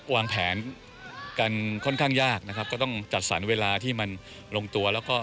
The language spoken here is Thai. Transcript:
วางแผนกันค่อนข้างยากนะครับก็ต้องจัดสรรเวลาที่มันลงตัวแล้วก็